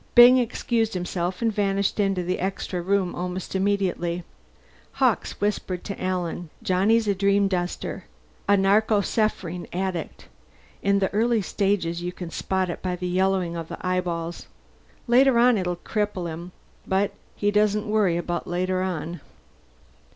Byng excused himself and vanished into the extra room almost immediately; Hawkes whispered to Alan, "Johnny's a dreamduster a narcosephrine addict. In the early stages; you can spot it by the yellowing of the eyeballs. Later on it'll cripple him, but he doesn't worry about later on."